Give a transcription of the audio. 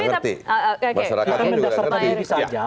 masyarakat juga ngerti kita mendasarkan ini saja